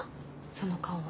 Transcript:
その顔は。